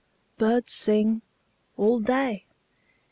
Birds sing All day.